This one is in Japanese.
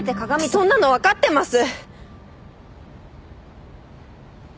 そんなのわかってます！